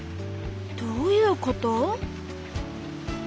どういうこと？